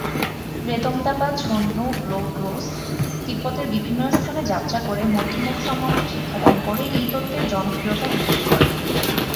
রেদ-ম্দা'-বা-গ্ঝোন-নু-ব্লো-গ্রোস তিব্বতের বিভিন্ন স্থানে যাত্রা করে মধ্যমক সম্বন্ধে শিক্ষাদান করে এই তত্ত্বের জনপ্রিয়তা বৃদ্ধি করেন।